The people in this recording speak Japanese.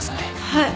はい。